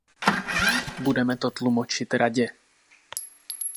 Budeme to tlumočit Radě.